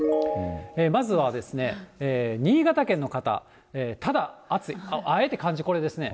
まずはですね、新潟県の方、ただ熱い、あえて漢字これですね。